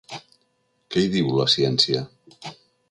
Què hi diu la ciència?